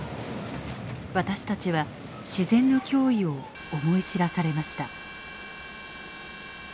私たちは自然の驚異を思い知らされました。